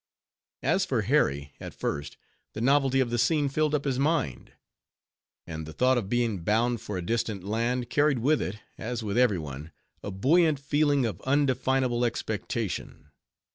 As for Harry, at first the novelty of the scene filled up his mind; and the thought of being bound for a distant land, carried with it, as with every one, a buoyant feeling of undefinable expectation.